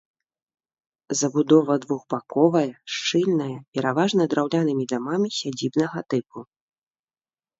Забудова двухбаковая, шчыльная, пераважна драўлянымі дамамі сядзібнага тыпу.